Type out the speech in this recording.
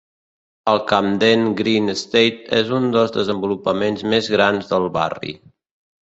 El Camden Green Estate és un dels desenvolupaments més grans del barri.